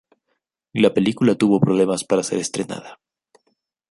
La película tuvo problemas para ser estrenada.